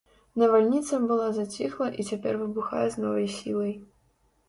Навальніца была заціхла і цяпер выбухае з новай сілай.